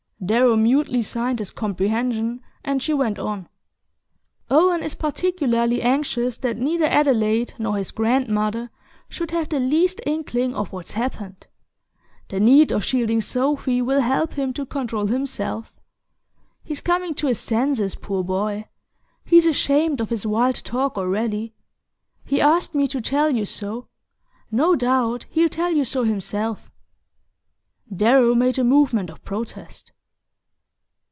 Darrow mutely signed his comprehension, and she went on: "Owen is particularly anxious that neither Adelaide nor his grandmother should have the least inkling of what's happened. The need of shielding Sophy will help him to control himself. He's coming to his senses, poor boy; he's ashamed of his wild talk already. He asked me to tell you so; no doubt he'll tell you so himself." Darrow made a movement of protest.